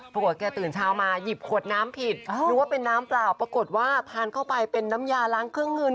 ปรากฏแกตื่นเช้ามาหยิบขวดน้ำผิดหรือว่าเป็นน้ำเปล่าปรากฏว่าทานเข้าไปเป็นน้ำยาล้างเครื่องเงิน